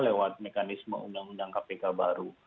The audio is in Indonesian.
lewat mekanisme undang undang kpk baru